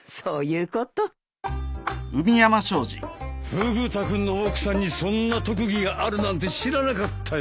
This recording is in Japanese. フグ田君の奥さんにそんな特技があるなんて知らなかったよ。